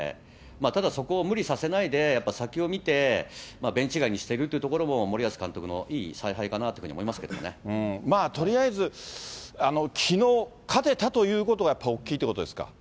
ただそこを無理させないで、やっぱ先を見て、ベンチ外にしてるっていうところも、森保監督のいい采配かなというふうに思いますけとりあえず、きのう勝てたということが、やっぱり大きいということですか。